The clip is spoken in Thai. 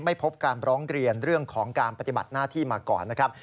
ไม่พบการร้องเรียนเรื่องของการปฏิบัติหน้าที่มาก่อนนะครับ